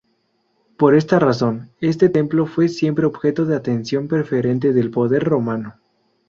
Por esta razón, este templo fue siempre objeto de atención preferente del poder romano.